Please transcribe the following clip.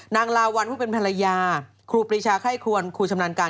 ลาวัลผู้เป็นภรรยาครูปรีชาไข้ควรครูชำนาญการ